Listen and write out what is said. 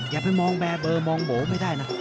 อย่าไปมองแบบเบอร์มองโหไม่ได้นะ